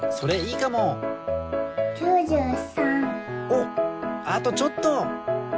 おっあとちょっと！